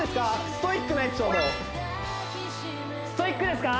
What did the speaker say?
ストイックなエピソードストイックですか？